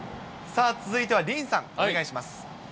さあ、続いてはディーンさん、お願いします。